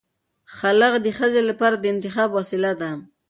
خلع د ښځې لپاره د انتخاب وسیله ده.